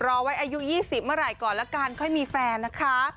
รอไว้อายุ๒๐เมื่อไหร่ก่อนละกันค่อยมีแฟนนะคะ